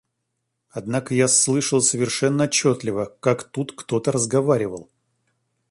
Однако, я слышал совершенно отчетливо, как тут кто-то разговаривал.